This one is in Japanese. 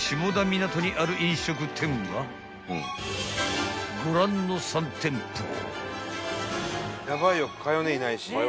みなとにある飲食店はご覧の３店舗］